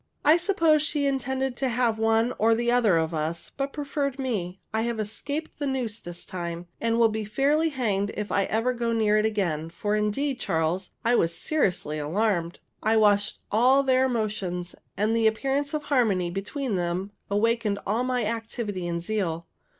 I suppose she intended to have one or the other of us, but preferred me. I have escaped the noose this time, and I'll be fairly hanged if I ever get so near it again; for indeed, Charles, I was seriously alarmed. I watched all their motions, and the appearance of harmony between them awakened all my activity and zeal.